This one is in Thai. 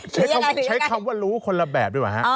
ใช้คำใช้คำว่ารู้คนละแบบดีกว่าฮะ